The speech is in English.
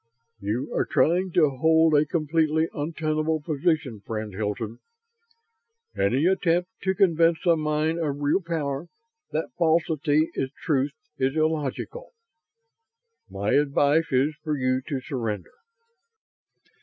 "You are trying to hold a completely untenable position, friend Hilton. Any attempt to convince a mind of real power that falsity is truth is illogical. My advice is for you to surrender."